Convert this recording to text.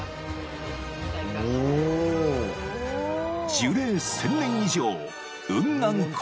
［樹齢１，０００年以上雲南古